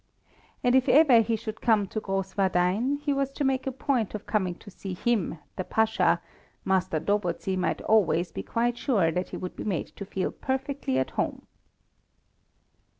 And if ever he should come to Grosswardein, he was to make a point of coming to see him, the Pasha; Master Dobozy might always be quite sure that he would be made to feel perfectly at home.